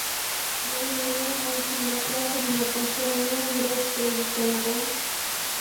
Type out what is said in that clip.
بۇ مېنىڭ ھەم شۇنداقلا خىزمەتداشلىرىمنىڭ يۈرەك سۆزىكەنغۇ!